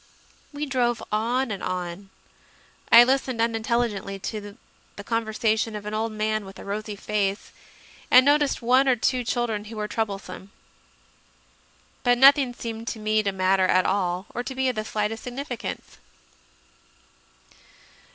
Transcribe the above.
We drove on and on; I listened unintelligently to the conversation of an old man with a rosy face, and noticed one or two children who were troublesope. But nothing seemed to me to matter at all or to be of the slightest significance.